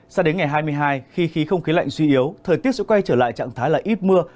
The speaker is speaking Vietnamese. sao đến ngày hai mươi hai khi khí không khí lạnh suy yếu thời tiết sẽ quay trở lại trạng thái là ít mưa